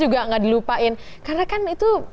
juga nggak dilupain karena kan itu